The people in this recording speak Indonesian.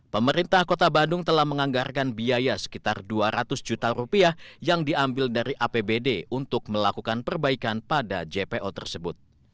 pemerintah kota bandung telah menganggarkan biaya sekitar dua ratus juta rupiah yang diambil dari apbd untuk melakukan perbaikan pada jpo tersebut